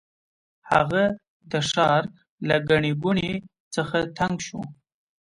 هغه د ښار له ګڼې ګوڼې څخه تنګ شو.